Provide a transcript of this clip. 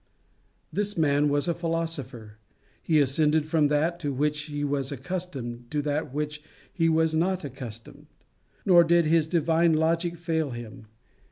This man was a philosopher: he ascended from that to which he was accustomed to that to which he was not accustomed. Nor did his divine logic fail him.